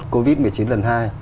covid một mươi chín lần hai